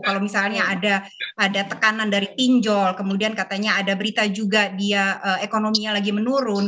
kalau misalnya ada tekanan dari pinjol kemudian katanya ada berita juga dia ekonominya lagi menurun